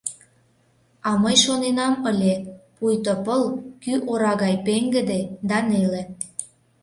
А мый шоненам ыле: пуйто пыл кӱ ора гай пеҥгыде да неле.